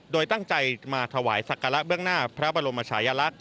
โดยตั้งใจมาถวายศักระเบื้องหน้าพระบรมชายลักษณ์